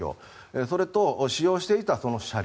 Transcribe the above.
それと、使用していた車両。